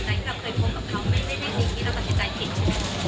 ที่เราตัดสินใจผิด